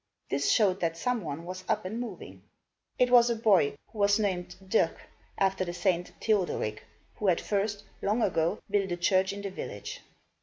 This showed that some one was up and moving. It was a boy, who was named Dirck, after the saint Theodoric, who had first, long ago, built a church in the village.